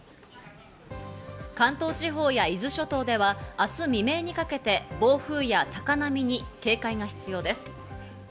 関東地方や伊豆諸島では明日未明にかけて暴風や高波に警戒が必要です。